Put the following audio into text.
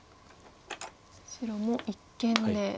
白も一間で。